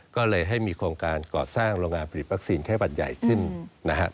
ก็เลยให้มีโครงการก่อสร้างโรงงานผลิตวัคซีนไข้บัตรใหญ่ขึ้นนะครับ